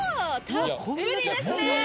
たっぷりですね。